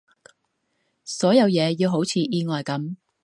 所有嘢要好似意外噉